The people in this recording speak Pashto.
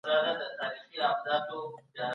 څه شی نړیوال بانک له لوی ګواښ سره مخ کوي؟